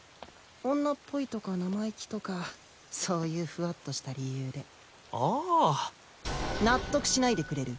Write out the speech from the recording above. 女っぽいとか生意気とかそういうふわっとした理由でああ納得しないでくれる？